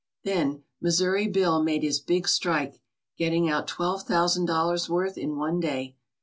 Then "Missouri Bill" made his big strike, getting out twelve thousand dollars' worth in one day.